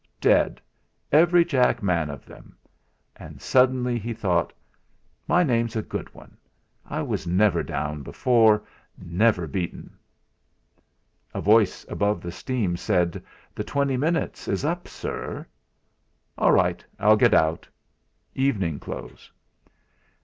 Dead! Every jack man of them. And suddenly he thought: '.y name's a good one I was never down before never beaten!' A voice above the steam said: "The twenty minutes is up, sir." "All right; I'll get out. Evening clothes."